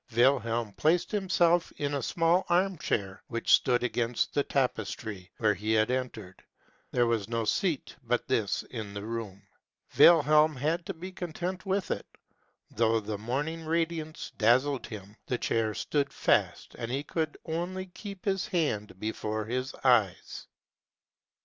Wilhelm placed himself in a small arm chair, which stood against the tapestry where he had entered. There was no seat but this in the room : Wilhelm had to be content with it, though the morning radiance dazzled him ; the chair stood fast, he could only keep his hand before his eyes.